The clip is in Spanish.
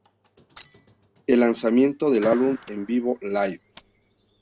El lanzamiento del álbum en vivo, "Live!